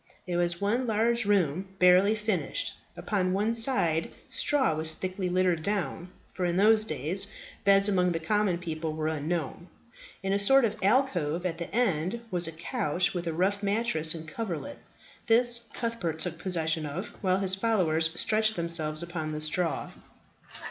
It was one large room, barely furnished. Upon one side straw was thickly littered down for in those days beds among the common people were unknown. In a sort of alcove at the end was a couch with a rough mattress and coverlet. This Cuthbert took possession of, while his followers stretched themselves upon the straw.